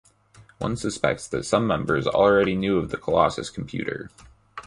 One suspects that some members already knew of the Colossus computer.